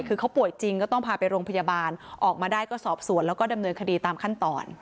คือเขาป่วยจริงก็ต้องพาไปโรงพยาบาลออกมาได้ก็สอบสวนแล้วก็ดำเนินคดีตามขั้นตอน